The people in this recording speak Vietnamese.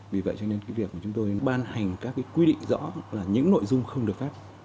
vì vậy cho nên cái việc của chúng tôi ban hành các quy định rõ là những nội dung không được phát